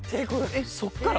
えっそこから？